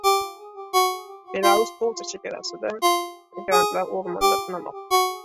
Belarus-Polsha chegarasida migrantlar o‘rmonda tunamoqda